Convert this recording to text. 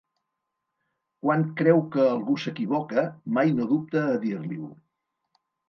Quan creu que algú s'equivoca, mai no dubta a dir-li-ho.